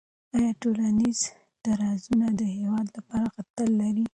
آیا ټولنیز درزونه د هېواد لپاره خطر لري؟